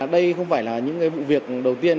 đây không phải là những vụ việc đầu tiên